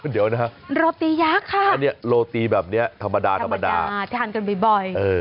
เดี๋ยวนะครับโรตียักษ์ค่ะโรตีแบบนี้ธรรมดาทานกันบ่อย